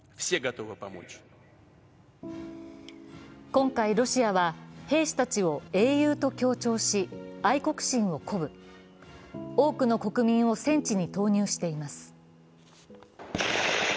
今回、ロシアは兵士たちを英雄と強調し、愛国心を鼓舞、多くの国民を戦地に投入しています。